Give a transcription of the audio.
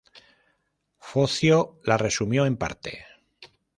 Focio la resumió en parte.